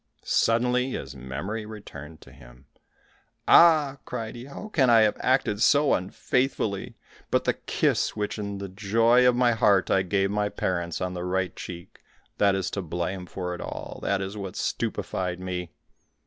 Suddenly, his memory returned to him. "Ah," cried he, "how can I have acted so unfaithfully; but the kiss which in the joy of my heart I gave my parents, on the right cheek, that is to blame for it all, that is what stupefied me!"